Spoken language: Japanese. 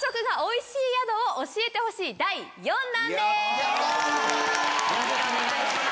よろしくお願いします。